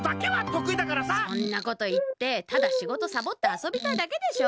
そんなこといってただしごとサボってあそびたいだけでしょ。